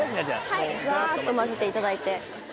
はいガっと混ぜていただいて。